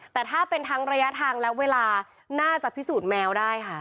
แต่ถ้าเป็นทั้งระยะทางและเวลาน่าจะพิสูจน์แมวได้ค่ะ